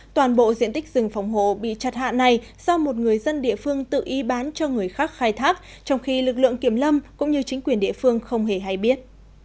toàn bộ diện tích rừng phòng hộ bị chặt hạ này do một người dân địa phương tự y bán cho người khác khai thác trong khi lực lượng kiểm lâm cũng như chính quyền địa phương không hề hay biết